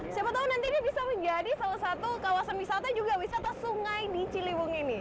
siapa tahu nanti ini bisa menjadi salah satu kawasan wisata juga wisata sungai di ciliwung ini